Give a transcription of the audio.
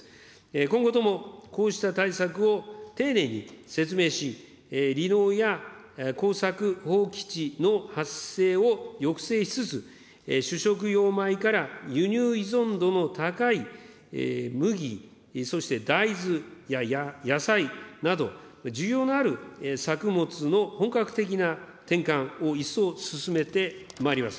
今後ともこうした対策を丁寧に説明し、離農や耕作放棄地の発生を抑制しつつ、主食用米から、輸入依存度の高い麦、そして大豆、野菜など、需要のある作物の本格的な転換を一層進めてまいります。